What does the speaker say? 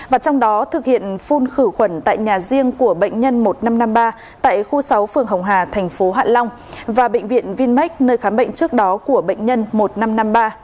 và trong đó thực hiện phun khử khuẩn tại nhà riêng của bệnh nhân một nghìn năm trăm năm mươi ba tại khu sáu phường hồng hà thành phố hạ long và bệnh viện vinmec nơi khám bệnh trước đó của bệnh nhân một nghìn năm trăm năm mươi ba